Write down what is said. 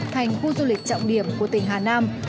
thành khu du lịch trọng điểm của tỉnh hà nam